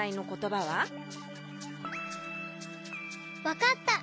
わかった！